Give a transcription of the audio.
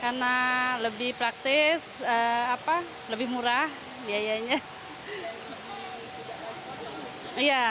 karena lebih praktis lebih murah biayanya